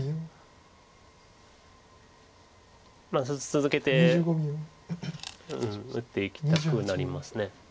続けて打っていきたくなります。